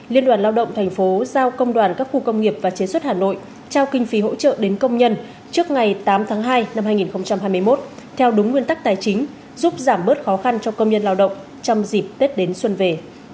liên đoàn lao động thành phố giao công đoàn các khu công nghiệp và chế xuất hà nội trao kinh phí hỗ trợ đến công nhân trước ngày tám tháng hai năm hai nghìn hai mươi một theo đúng nguyên tắc tài chính giúp giảm bớt khó khăn cho công nhân lao động trong dịp tết đến xuân về